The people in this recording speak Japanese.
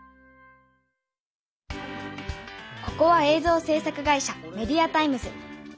ここは映像せい作会社メディアタイムズ。